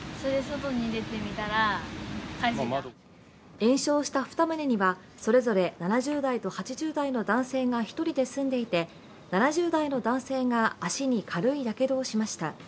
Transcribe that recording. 延焼した２棟にはそれぞれ７０代と８０代の男性が１人で住んでいて７０代の男性が足に軽いやけどをしました。